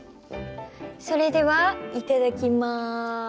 それではいただきま。